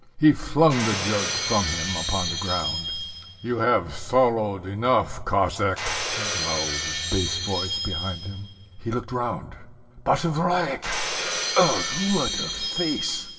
He flung the jug from him upon the ground. "You have sorrowed enough, Cossack," growled a bass voice behind him. He looked round Basavriuk! Ugh, what a face!